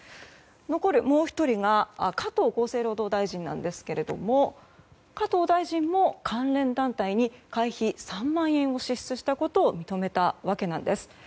残るもう１人が加藤厚生労働大臣ですが加藤大臣も関連団体に会費３万円を支出したことを認めたわけなんです。